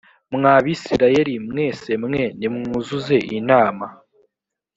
mwa bisirayeli mwese mwe nimwuzuze inama